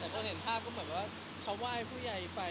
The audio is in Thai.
แต่ตอนเห็นภาพก็เหมือนว่าเขาไหว้ผู้ใหญ่ไป